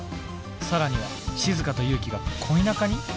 更にはしずかと祐樹が恋仲に？